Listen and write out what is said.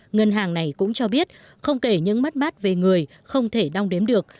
ngân hàng này cũng cho biết không kể những mất mát về người không thể đong đếm được